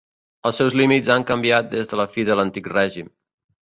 Els seus límits han canviat des de la fi de l'Antic Règim.